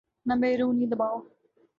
نہ بیرونی دباؤ۔